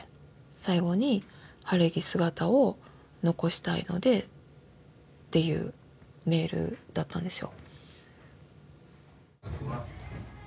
「最後に晴れ着姿を残したいので」っていうメールだったんですよ